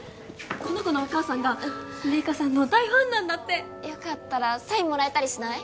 この子のお母さんが麗華さんの大ファンなんだってよかったらサインもらえたりしない？